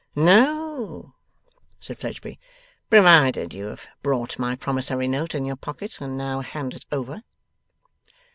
'No,' said Fledgeby; 'provided you have brought my promissory note in your pocket, and now hand it over.